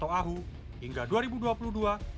oleh pnn indonesia